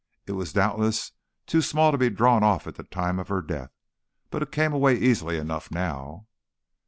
"It was doubtless too small to be drawn off at the time of her death, but it came away easily enough now."